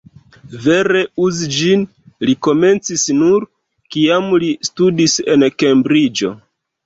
Vere uzi ĝin li komencis nur, kiam li studis en Kembriĝo.